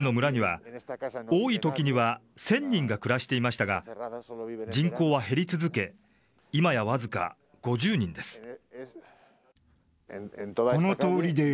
ギタルテ氏の村には、多いときには１０００人が暮らしていましたが、人口は減り続け、今や僅か５０人です。